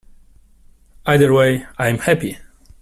Either way, I’m happy.